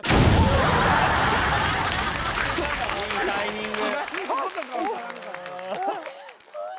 いいタイミング！